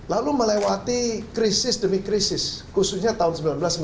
lalu melewati krisis demi krisis khususnya tahun seribu sembilan ratus sembilan puluh